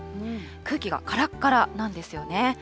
空気がからっからなんですよね。